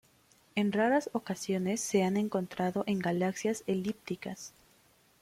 En raras ocasiones se han encontrado en galaxias elípticas.